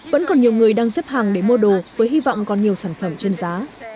vẫn còn nhiều người đang xếp hàng để mua đồ với hy vọng còn nhiều sản phẩm trên giá